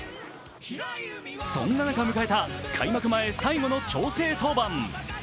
そんな中で迎えた開幕前最後の調整登板。